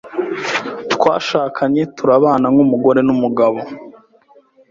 twashakanye turabana nk’umugore n’umugabo,